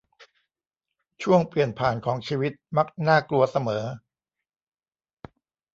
ช่วงเปลี่ยนผ่านของชีวิตมักน่ากลัวเสมอ